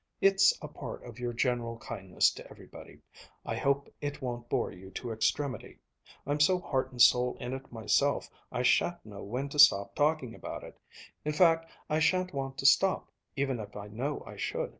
It's a part of your general kindness to everybody. I hope it won't bore you to extremity. I'm so heart and soul in it myself, I shan't know when to stop talking about it. In fact I shan't want to stop, even if I know I should.